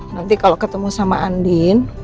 nanti kalau ketemu sama andin